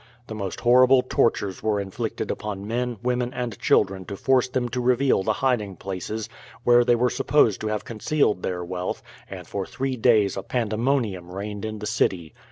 The most horrible tortures were inflicted upon men, women, and children to force them to reveal the hiding places, where they were supposed to have concealed their wealth, and for three days a pandemonium reigned in the city.